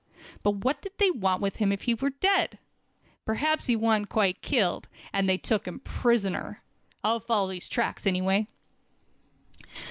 But what did they want with him if he was dead? Perhaps he wasn't quite killed, and they took him prisoner. I'll follow these tracks, anyway."